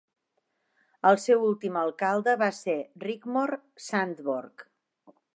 El seu últim alcalde va ser Rigmor Sandborg.